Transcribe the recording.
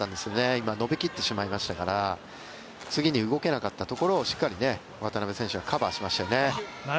今、伸びきってしまいましたから次に動けなかったところをしっかり渡辺選手がカバーしましたよね。